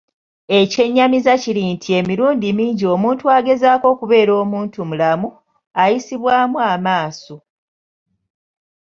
Ekyennyamiza kiri nti emirundi mingi omuntu agezaako okubeera omuntumulamu, ayisibwamu amaaso